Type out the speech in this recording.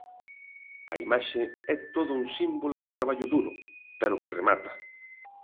A imaxe é todo un símbolo dun traballo duro, pero que remata.